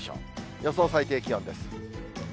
予想最低気温です。